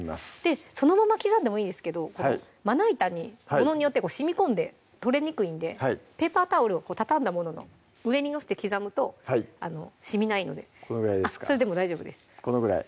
そのまま刻んでもいいですけどまな板にものによってはしみこんで取れにくいんでペーパータオルをたたんだものの上に載せて刻むとしみないのでこのぐらいですかこのぐらい？